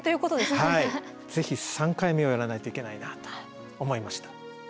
ぜひ３回目をやらないといけないなと思いました。